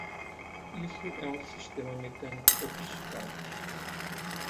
Isso é um sistema mecânico sofisticado!